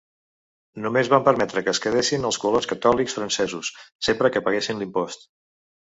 Només van permetre que es quedessin els colons catòlics francesos sempre que paguessin l'impost.